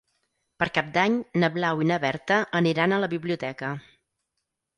Per Cap d'Any na Blau i na Berta aniran a la biblioteca.